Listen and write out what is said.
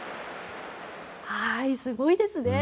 すごいですね。